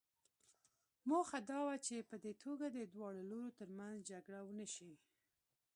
موخه دا وه چې په دې توګه د دواړو لورو ترمنځ جګړه ونه شي.